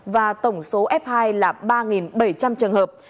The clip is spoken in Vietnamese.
và tổng số f hai là ba bảy trăm linh trường hợp